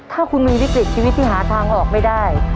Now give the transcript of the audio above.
ถ้าคุณมีวิกฤตชีวิตที่หาทางออกไม่ได้